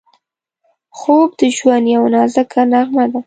خوب د ژوند یوه نازکه نغمه ده